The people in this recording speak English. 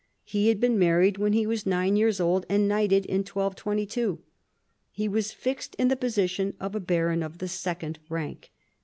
He had been married when he was nine years old and knighted in 1222. He was fixed in the position of a baron of the second rank.